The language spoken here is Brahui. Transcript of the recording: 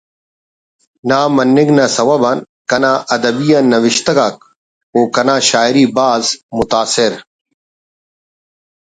نہ مننگ نا سوب آن کنا ادبی آ نوشت آک و کنا شاعری بھاز متاثر